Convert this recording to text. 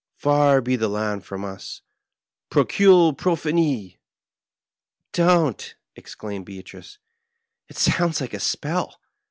Far be the land from us— ^p/ww^ prof am !"" Don't 1 " exclaimed Beatrice ; "it sounds like a spell.